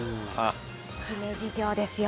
姫路城ですよ。